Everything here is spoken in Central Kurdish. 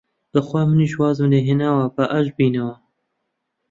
بەخوا منیش وازم لێ هێناوە، با ئاشت بینەوە!